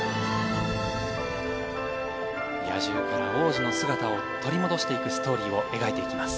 野獣から王子の姿を取り戻していくストーリーを描いていきます。